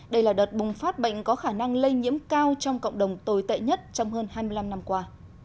đây là đợt bùng phát bệnh có khả năng lây nhiễm cao trong cộng đồng tồi tệ nhất trong hơn hai mươi năm năm qua